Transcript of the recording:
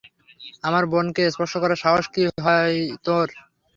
আমার বোনকে স্পর্শ করার সাহস কী করে হয় তোর!